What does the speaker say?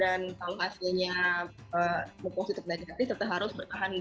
dan kalau hasilnya positif dan gratis tetap harus bertahan dulu